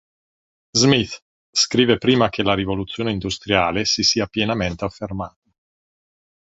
Smith scrive prima che la rivoluzione industriale si sia pienamente affermata.